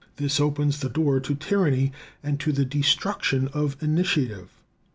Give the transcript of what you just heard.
This opens the door to tyranny and to the destruction of initiative.